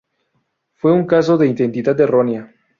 Fue un caso de identidad errónea.